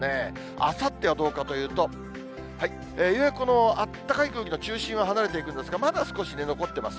あさってはどうかというと、ようやくこのあったかい空気の中心は離れていくんですが、まだ少し残ってます。